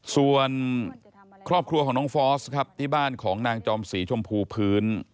ส่วนครอบครัวของน้องฟอสครับที่บ้านของนางจอมสีชมพูพื้น